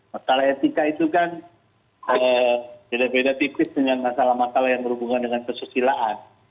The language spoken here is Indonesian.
masalah etika itu kan beda beda tipis dengan masalah masalah yang berhubungan dengan kesusilaan